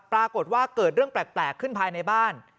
ปรากฏว่าเกิดเรื่องแปลกขึ้นภายในบ้าน